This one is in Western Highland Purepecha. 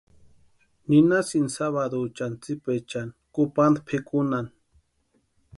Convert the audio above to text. Ninhasinti sabaduchani tsipechani kupanta pʼikunhani.